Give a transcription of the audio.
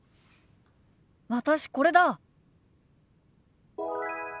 私これだ。